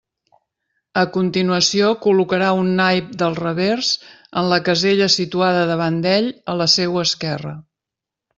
A continuació col·locarà un naip pel revers en la casella situada davant d'ell a la seua esquerra.